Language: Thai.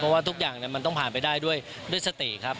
เพราะว่าทุกอย่างมันต้องผ่านไปได้ด้วยสติครับ